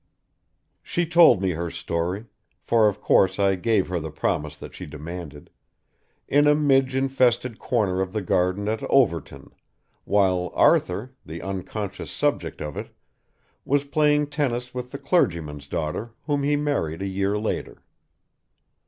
She told me her story for of course I gave her the promise that she demanded in a midge infested corner of the garden at Overton, while Arthur, the unconscious subject of it, was playing tennis with the clergyman's daughter whom he married a year later.